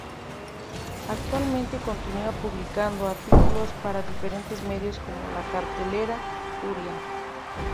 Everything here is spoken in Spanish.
Actualmente continúa publicando artículos para diferentes medios como la Cartelera Turia.